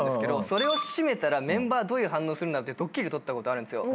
それを閉めたらメンバーどういう反応するんだろうってドッキリ撮ったことあるんですよ。